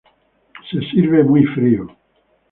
Se sirve muy frío.